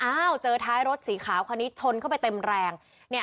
อ้าวเจอท้ายรถสีขาวพอนี้ชนเข้าไปเต็มแรงเนี่ย